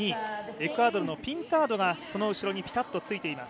エクアドルのピンタードがその後ろにぴたっとついています。